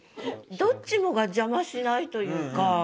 どっちもが邪魔しないというか。